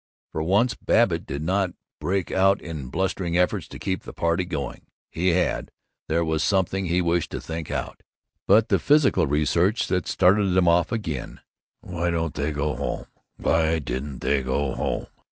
For once Babbitt did not break out in blustering efforts to keep the party going. He had there was something he wished to think out But the psychical research had started them off again. ("Why didn't they go home! Why didn't they go home!")